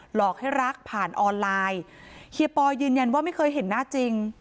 หลอกให้รักผ่านออนไลน์เฮียปอยืนยันว่าไม่เคยเห็นหน้าจริง